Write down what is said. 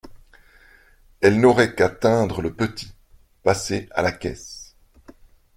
Elle n’aurait qu’à teindre le petit !… passez à la caisse !